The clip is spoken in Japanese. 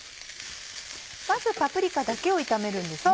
まずパプリカだけを炒めるんですね。